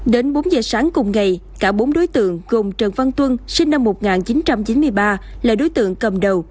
đến bốn giờ sáng cùng ngày cả bốn đối tượng gồm trần văn tuân sinh năm một nghìn chín trăm chín mươi ba là đối tượng cầm đầu